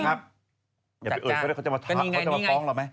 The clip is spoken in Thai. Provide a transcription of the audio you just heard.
อย่าไปเอ่ยเค้าจะมาทักเค้าจะมาฟ้องเราไหม